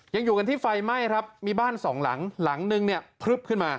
ยังอยู่กันที่ไฟไหม้ครับมีบ้านสองหลังหลังนึงเนี่ยพลึบขึ้นมา